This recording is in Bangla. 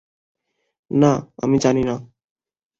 না, আমি জানি না।